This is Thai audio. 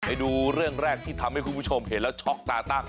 ไปดูเรื่องแรกที่ทำให้คุณผู้ชมเห็นแล้วช็อกตาตั้ง